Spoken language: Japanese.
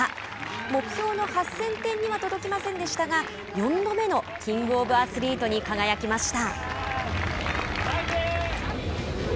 目標の８０００点には届きませんでしたが４度目のキング・オブ・アスリートに輝きました。